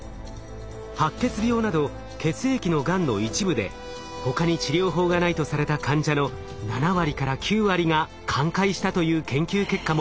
白血病など血液のがんの一部で他に治療法がないとされた患者の７割から９割が寛解したという研究結果も。